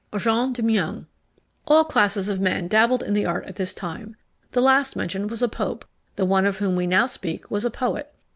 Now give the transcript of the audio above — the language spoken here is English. JEAN DE MEUNG. All classes of men dabbled in the art at this time; the last mentioned was a pope, the one of whom we now speak was a poet.